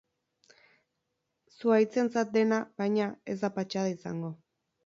Zuhaitzentzat dena, baina, ez da patxada izango.